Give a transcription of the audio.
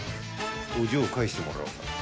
お嬢を返してもらおうか。